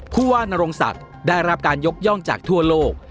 ผู้ว่านรงศักดิ์ได้รับการยกย่องจากทั่วโลก